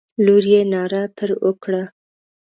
لور یې ناره پر وکړه.